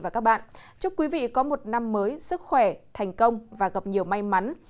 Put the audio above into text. chúc quý vị có một năm mới sức khỏe thành công và gặp nhiều may mắn